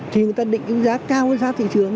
thì người ta định giá cao hơn giá thị trường